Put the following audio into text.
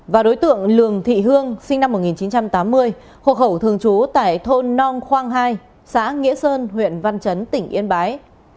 và đối tượng lường thị hương sinh năm một nghìn chín trăm tám mươi hộ khẩu thường trú tại thôn nong khoang hai xã nghĩa sơn huyện văn chấn tỉnh yên bái